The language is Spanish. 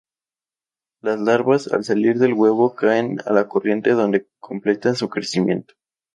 Las larvas, al salir del huevo, caen a la corriente donde completan su crecimiento.